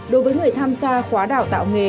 đối với người tham gia khóa đảo tạo nghề